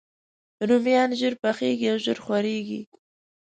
رومیان ژر پخیږي او ژر خورېږي